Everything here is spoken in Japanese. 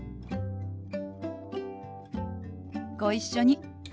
ご一緒に。